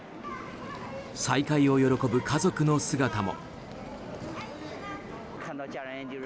再会を喜ぶ家族の姿も。